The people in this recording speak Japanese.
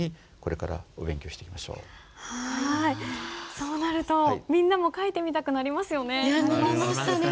そうなるとみんなも書いてみたくなりますよね。